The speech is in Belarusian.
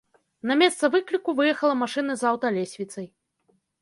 На месца выкліку выехала машына з аўталесвіцай.